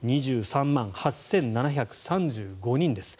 ２３万８７３５人です。